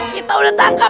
kita udah tangkap